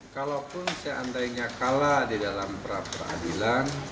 kala di dalam peradilan